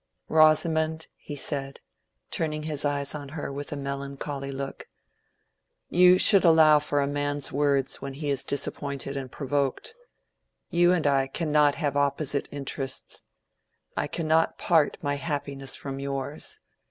"Rosamond," he said, turning his eyes on her with a melancholy look, "you should allow for a man's words when he is disappointed and provoked. You and I cannot have opposite interests. I cannot part my happiness from yours.